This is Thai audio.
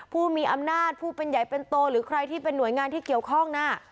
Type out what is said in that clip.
ผู้มีอำนาจผู้เป็นใหญ่เป็นโตหรือใครที่เป็นหน่วยงานที่เกี่ยวข้องนะ